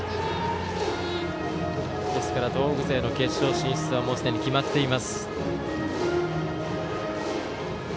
ですから、東北勢の決勝進出はもうすでに決まっています。